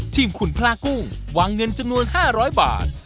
ทีมคุณพลากุ้งวางเงินจำนวน๕๐๐บาท